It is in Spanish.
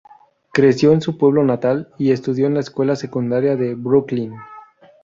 Creció en su pueblo natal y estudió en la Escuela Secundaria de Brookline.